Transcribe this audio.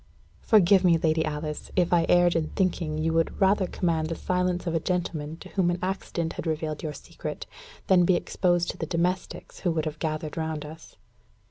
"Forgive me, Lady Alice, if I erred in thinking you would rather command the silence of a gentleman to whom an accident had revealed your secret, than be exposed to the domestics who would have gathered round us."